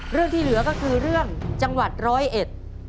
เรื่องที่เหลือก็คือเรื่องจังหวัดร้อยเอ็ด